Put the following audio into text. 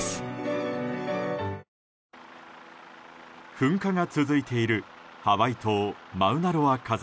噴火が続いているハワイ島マウナロア火山。